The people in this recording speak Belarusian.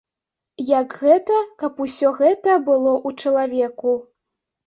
Як гэта, каб усё гэта было ў чалавеку.